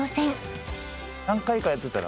何回かやってたら。